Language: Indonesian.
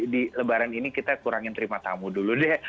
di lebaran ini kita kurangin terima tamu dulu deh